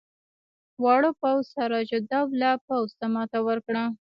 واړه پوځ سراج الدوله پوځ ته ماته ورکړه.